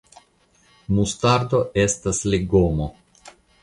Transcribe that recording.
Mustardo estas legomo.